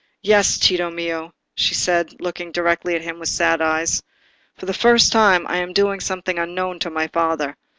"Yes, Tito mio," she said, looking directly at him with sad eyes. "For the first time I am doing something unknown to my father.